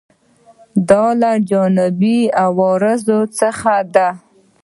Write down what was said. دا له جانبي عوارضو څخه ده.